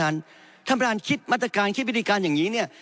ท่านประธานคิดมาตรการคิดวิธีการอย่างนี้เนี่ย